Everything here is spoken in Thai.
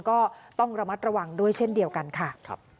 ก็ต้องระมัดระวังด้วยเช่นเดียวกันค่ะ